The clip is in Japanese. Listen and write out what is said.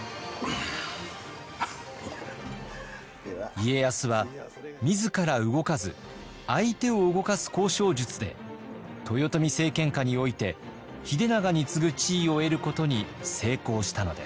家康は自ら動かず相手を動かす交渉術で豊臣政権下において秀長に次ぐ地位を得ることに成功したのです。